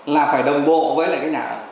là phải đồng bộ với lại cái nhà ở